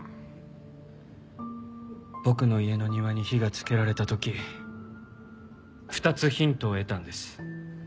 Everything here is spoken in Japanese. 僕の家の庭に火がつけられた時２つヒントを得たんです。